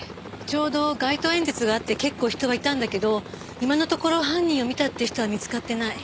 ちょうど街頭演説があって結構人はいたんだけど今のところ犯人を見たって人は見つかってない。